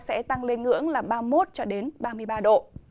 sẽ tăng lên ngưỡng ba mươi một ba mươi ba độ